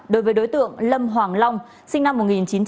đối với đối tượng lâm hoàng long sinh năm một nghìn chín trăm tám mươi